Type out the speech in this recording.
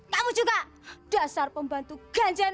kamu juga dasar pembantu ganjar